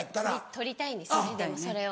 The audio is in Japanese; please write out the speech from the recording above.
取りたいんですそれを。